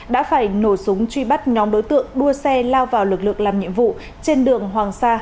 đã phải nổ súng truy bắt nhóm đối tượng đua xe lao vào lực lượng làm nhiệm vụ trên đường hoàng sa